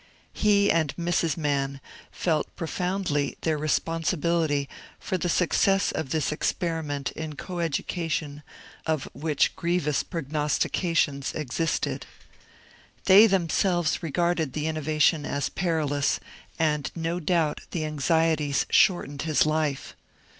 He and Mrs. Mann felt profoundly their responsibility for the success of this experiment in co education of which grievous prognostications existed. They themselves regarded the innovation as perilous, and no doubt the anxieties shortened his life.